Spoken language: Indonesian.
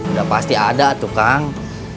udah pasti ada tuh kang